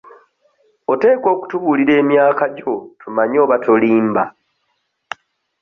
Oteekwa okutubuulira emyaka gyo tumanye oba tolimba.